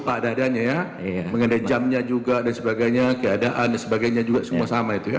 pak dadannya ya mengenai jamnya juga dan sebagainya keadaan dan sebagainya juga semua sama itu ya